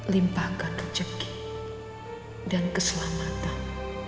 limpahkan rezeki dan keselamatan